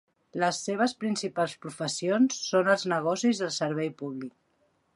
Les seves principals professions són els negocis i el servei públic.